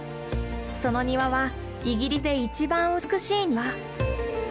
その庭はイギリスで一番美しい庭。